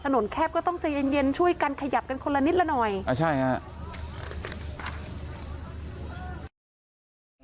แคบก็ต้องใจเย็นเย็นช่วยกันขยับกันคนละนิดละหน่อยอ่าใช่ฮะ